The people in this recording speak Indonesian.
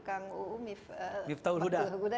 kang uu miftahul huda